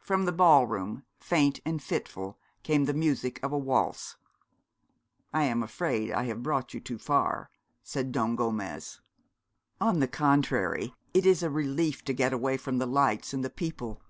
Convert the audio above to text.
From the ballroom, faint and fitful, came the music of a waltz. 'I'm afraid I've brought you too far,' said Don Gomez. 'On the contrary, it is a relief to get away from the lights and the people.